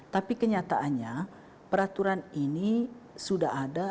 tapi kenyataannya peraturan ini sudah ada